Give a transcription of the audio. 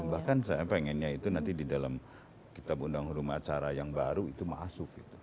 belum bahkan saya pengennya itu nanti di dalam kitab undang undang rumah acara yang baru itu masuk